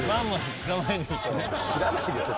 知らないですよ